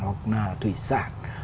hoặc là thủy sản